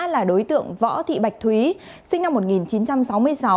là đối tượng võ thị bạch thúy sinh năm một nghìn chín trăm sáu mươi sáu